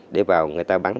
để vào người ta bắn